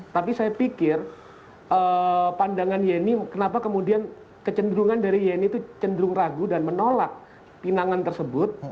tapi saya pikir pandangan yeni kenapa kemudian kecenderungan dari yeni itu cenderung ragu dan menolak pinangan tersebut